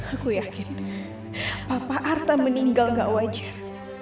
aku yakin papa arta meninggal gak wajar